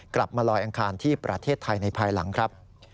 กลับมาลอยอังคารที่ประเทศไทยในภายหลังครับ